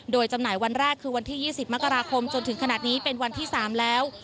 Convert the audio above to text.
โดยจำหน่ายวันแรกคือวันที่๒๐มกราคมจนถึงขนาดนี้เป็นวันที่๓แล้ว